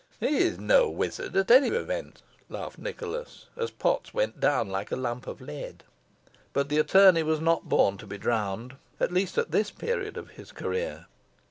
"He is no wizard, at all events," laughed Nicholas, as Potts went down like a lump of lead. But the attorney was not born to be drowned; at least, at this period of his career.